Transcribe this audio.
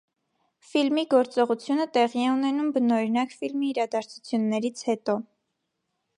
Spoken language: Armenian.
Ֆիլմի գործողությունը տեղի է ունենում բնօրինակ ֆիլմի իրադարձություններից հետո։